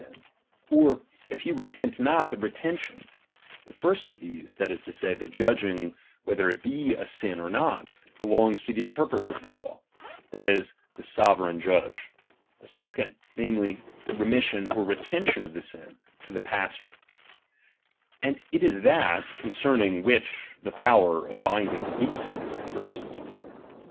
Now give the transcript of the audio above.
i ; or, if he repent ^B not, the retention : the first of these, that is to say, ^H the judging whether it be a sin or not, belongs to ^m the interpreter of the law, that is, the sovereign H judge ; the second, namely, remission or retention H of the sin, to the pastor ; and it is that, couceming H which the power of binding and loosing is conver H sant.